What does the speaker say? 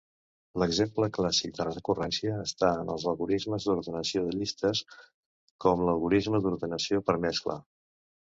L'exemple clàssic de recurrència està en els algorismes d'ordenació de llistes com l'algorisme d'ordenació per mescla.